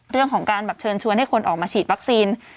เรื่องของการแบบเชิญชวนให้คนออกมาฉีดวัคซีน